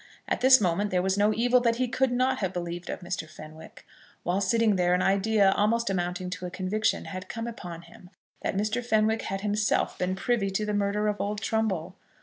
At this moment there was no evil that he could not have believed of Mr. Fenwick. While sitting there an idea, almost amounting to a conviction, had come upon him, that Mr. Fenwick had himself been privy to the murder of old Trumbull.